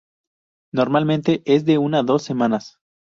Normalmente, es de una-dos semanas.